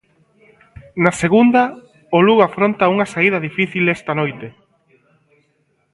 Na segunda, o Lugo afronta unha saída difícil esta noite.